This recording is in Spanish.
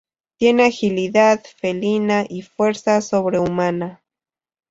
Tiene agilidad felina y fuerza sobrehumana.